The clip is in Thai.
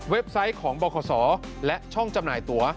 ไซต์ของบขและช่องจำหน่ายตัว